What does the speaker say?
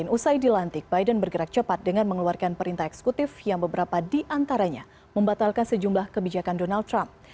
usai dilantik biden bergerak cepat dengan mengeluarkan perintah eksekutif yang beberapa diantaranya membatalkan sejumlah kebijakan donald trump